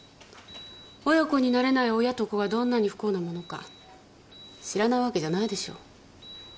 親子になれない親と子がどんなに不幸なものか知らないわけじゃないでしょう？